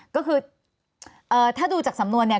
ก็คือถ้าดูจากสำนวนเนี่ย